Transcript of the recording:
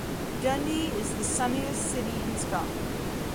Dundee is the sunniest city in Scotland.